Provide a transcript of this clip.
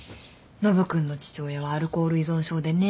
ノブ君の父親はアルコール依存症でね。